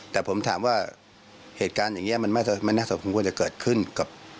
แต่ผมถามว่าเหตุการณ์อย่างนี้มันไม่น่าสมควรจะเกิดขึ้นกับ